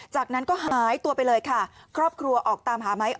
จากนั้นก็หายตัวไปเลยค่ะครอบครัวออกตามหาไม้ออก